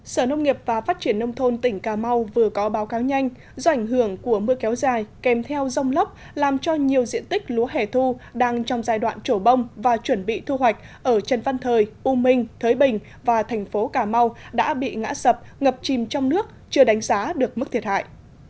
sở nông nghiệp và phát triển nông thôn tỉnh cà mau vừa có báo cáo nhanh do ảnh hưởng của mưa kéo dài kèm theo rông lốc làm cho nhiều diện tích lúa hẻ thu đang trong giai đoạn trổ bông và chuẩn bị thu hoạch ở trần văn thời u minh thới bình và thành phố cà mau đã bị ngã sập ngập chìm trong nước chưa đánh giá được mức thiệt hại